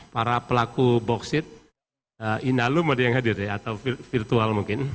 para pelaku boksit inalum ada yang hadir ya atau virtual mungkin